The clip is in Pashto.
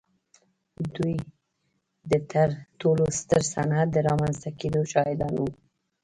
دوی د تر ټولو ستر صنعت د رامنځته کېدو شاهدان وو.